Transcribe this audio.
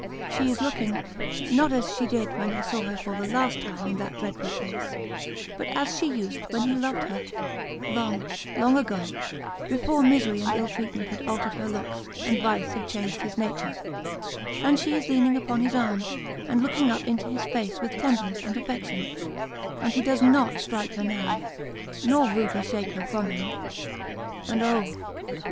She is looking not as she did when he saw her for the last time in that dreadful place, but as she used when he loved her long, long ago, before misery and ill treatment had altered her looks, and vice had changed his nature, and she is leaning upon his arm, and looking up into his face with tenderness and affection and he does not strike her now, nor rudely shake her from him. And oh